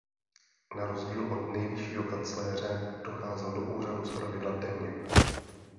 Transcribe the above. Na rozdíl od nejvyššího kancléře docházel do úřadu zpravidla denně.